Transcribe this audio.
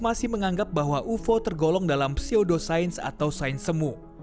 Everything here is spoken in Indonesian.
masih menganggap bahwa ufo tergolong dalam psiudoscience atau sains semu